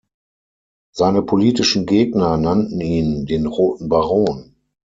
Seine politischen Gegner nannten ihn „"den roten Baron"“.